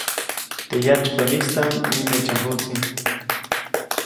Teʼ yatsypäʼnistaʼm nimeʼtsyajuʼtsi.